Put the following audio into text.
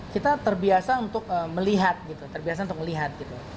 kita terbiasa untuk melihat gitu terbiasa untuk melihat gitu